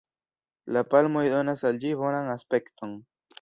La palmoj donas al ĝi bonan aspekton.